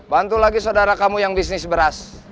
bantu lagi saudara kamu yang bisnis beras